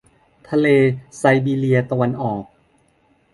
ทะเลไซบีเรียตะวันออก